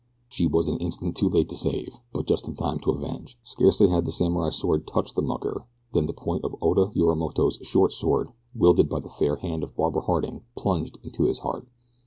She was an instant too late to save, but just in time to avenge scarcely had the samurai's sword touched the mucker than the point of Oda Yorimoto's short sword, wielded by the fair hand of Barbara Harding, plunged into his heart.